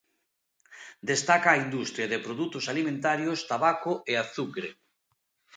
Destaca a industria de produtos alimentarios, tabaco e azucre.